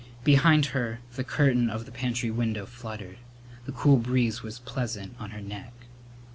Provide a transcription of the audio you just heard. Behind her the curtain of the pantry window fluttered. The cool breeze was pleasant on her neck.